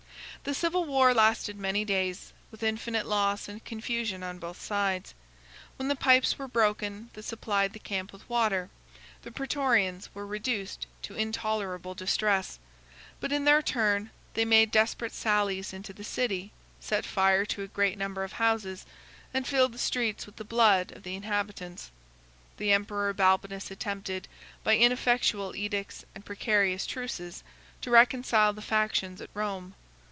The civil war lasted many days, with infinite loss and confusion on both sides. When the pipes were broken that supplied the camp with water, the Prætorians were reduced to intolerable distress; but in their turn they made desperate sallies into the city, set fire to a great number of houses, and filled the streets with the blood of the inhabitants. The emperor Balbinus attempted, by ineffectual edicts and precarious truces, to reconcile the factions at Rome.